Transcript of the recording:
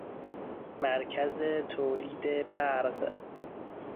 مرکز تولید برق